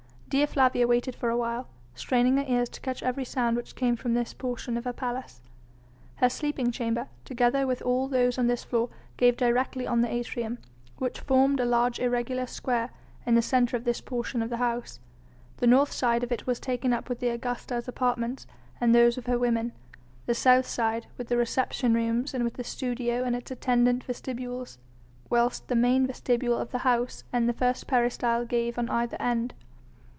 Dea Flavia waited for a while, straining her ears to catch every sound which came from this portion of her palace. Her sleeping chamber, together with all those on this floor gave directly on the atrium, which formed a large irregular square in the centre of this portion of the house. The north side of it was taken up with the Augusta's apartments and those of her women, the south side with the reception rooms and with the studio and its attendant vestibules, whilst the main vestibule of the house and the first peristyle gave on either end.